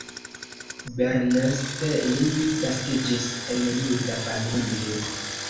Bernstein naskiĝis en juda familio.